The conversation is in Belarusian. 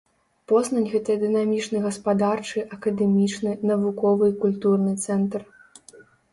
Познань гэта дынамічны гаспадарчы, акадэмічны, навуковы і культурны цэнтр.